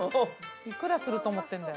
幾らすると思ってんだよ。